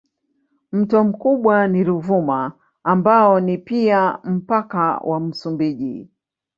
Mto mkubwa ni Ruvuma ambao ni pia mpaka wa Msumbiji.